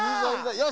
よし。